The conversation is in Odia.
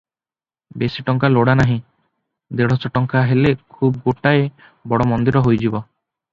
ବେଶି ଟଙ୍କା ଲୋଡ଼ା ନାହିଁ, ଦେଢ଼ଶ ଟଙ୍କା ହେଲେ ଖୁବ୍ ଗୋଟାଏ ବଡ଼ ମନ୍ଦିର ହୋଇଯିବ ।